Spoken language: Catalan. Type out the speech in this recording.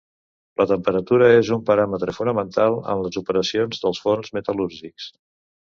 La temperatura és un paràmetre fonamental en les operacions dels forns metal·lúrgics.